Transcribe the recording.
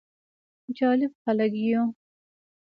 جالب خلک يو: